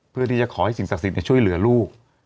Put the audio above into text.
เพื่อที่จะขอให้สิ่งศักดิ์สิทธิ์ช่วยเหลือลูก